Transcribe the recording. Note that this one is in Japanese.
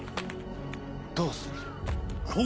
どうする？